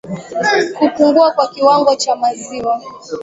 Kupungua kwa kiwango cha maziwa